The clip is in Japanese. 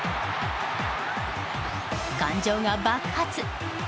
感情が爆発！